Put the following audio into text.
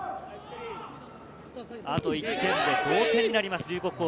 あと１点で同点になりま